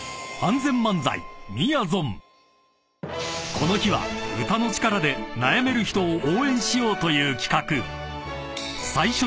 ［この日は歌の力で悩める人を応援しようという企画］